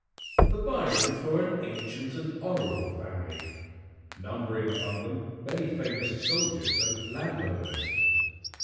The Byrons were an ancient and honorable family, numbering among them many famous soldiers and landowners.